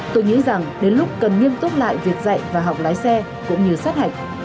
tôi nghĩ rằng đến lúc cần nghiêm túc lại việc dạy và học lái xe cũng như sát hạch